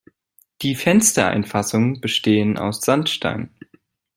Die Fenstereinfassungen bestehen aus Sandstein.